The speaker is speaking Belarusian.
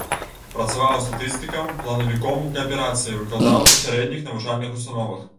Працаваў статыстыкам, планавіком у кааперацыі, выкладаў у сярэдніх навучальных установах.